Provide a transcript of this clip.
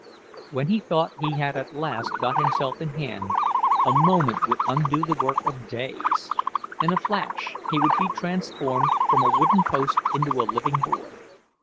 When he thought he had at last got himself in hand, a moment would undo the work of days; in a flash he would be transformed from a wooden post into a living boy.